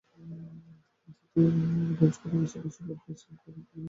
তারা মসজিদে প্রবেশ করেই রাসূলুল্লাহ সাল্লাল্লাহু আলাইহি ওয়াসাল্লামকে দেখতে পেল।